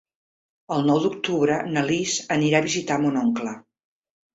El nou d'octubre na Lis anirà a visitar mon oncle.